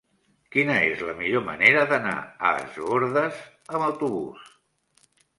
Quina és la millor manera d'anar a Es Bòrdes amb autobús?